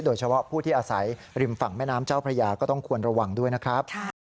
โดยเฉพาะผู้ที่อาศัยริมฝั่งแม่น้ำเจ้าพระยาก็ต้องควรระวังด้วยนะครับ